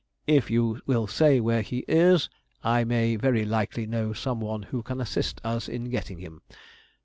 If you will say where he is, I may very likely know some one who can assist us in getting him.